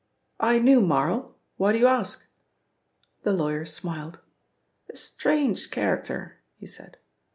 "I knew Marl. Why do you ask?" The lawyer smiled. "A strange character," he said.